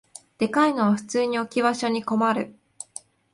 でかいのは普通に置き場所に困る